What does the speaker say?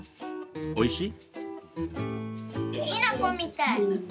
おいしい？